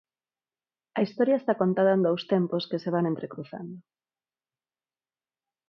A historia está contada en dous tempos que se van entrecruzando.